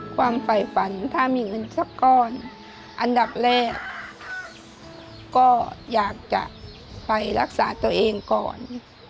ฝ่ายฝันถ้ามีเงินสักก้อนอันดับแรกก็อยากจะไปรักษาตัวเองก่อน